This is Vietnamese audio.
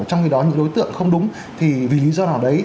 trong khi đó những đối tượng không đúng thì vì lý do nào đấy